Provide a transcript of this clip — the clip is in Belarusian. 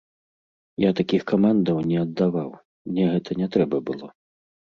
Я такіх камандаў не аддаваў, мне гэта не трэба было.